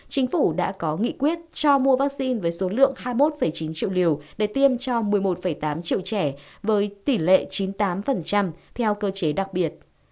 chính phủ đã có nghị quyết cho mua vaccine với số lượng hai mươi một chín triệu liều để tiêm cho một mươi một tám triệu trẻ với tỷ lệ chín mươi tám theo cơ chế đặc biệt